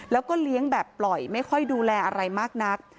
แล้วก็เลี้ยงแบบปล่อยไม่ค่อยดูแลอะไรมากนัก